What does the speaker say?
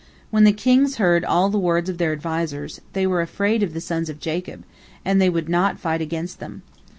When the kings heard all the words of their advisers, they were afraid of the sons of Jacob, and they would not fight against them.